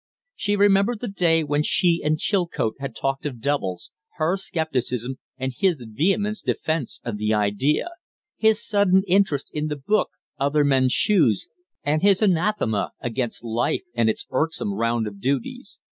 She remembered the day when she and Chilcote had talked of doubles, her scepticism and his vehement defence of the idea; his sudden interest in the book 'Other Men's Shoes', and his anathema against life and its irksome round of duties.